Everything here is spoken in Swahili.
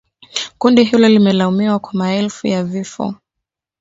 Kundi hilo limelaumiwa kwa maelfu ya vifo